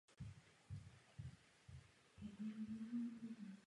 S ním se Sarah opět povedlo dostat se na první místo hitparády.